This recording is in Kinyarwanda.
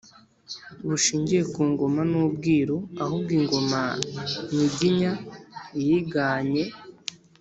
bushingiye ku ngoma n'ubwiru, ahubwo ingoma nyiginya yiganye